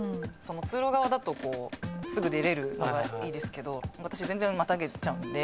通路側だとすぐ出れるのがいいですけど私全然またげちゃうんで。